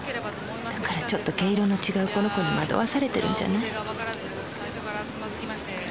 だからちょっと毛色の違うこの子に惑わされてるんじゃない。